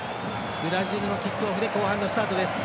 ブラジルのキックオフで後半のスタートです。